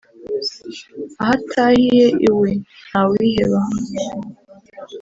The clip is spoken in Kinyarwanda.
Aho atahiye iwe (Ntawiheba)